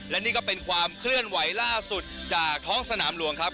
และนี่ก็เป็นความเคลื่อนไหวล่าสุดจากท้องสนามหลวงครับ